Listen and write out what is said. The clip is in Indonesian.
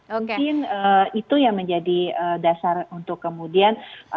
mungkin itu yang menjadi dasar untuk kemudian